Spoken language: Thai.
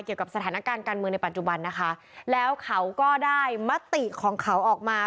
เกี่ยวกับสถานการณ์การเมืองในปัจจุบันนะคะแล้วเขาก็ได้มติของเขาออกมา